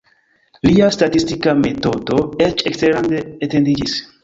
Lia statistika metodo eĉ eksterlande etendiĝis.